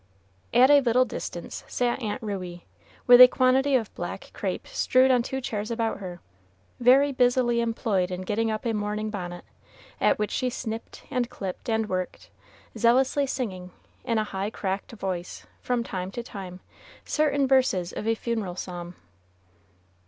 At a little distance sat Aunt Ruey, with a quantity of black crape strewed on two chairs about her, very busily employed in getting up a mourning bonnet, at which she snipped, and clipped, and worked, zealously singing, in a high cracked voice, from time to time, certain verses of a funeral psalm.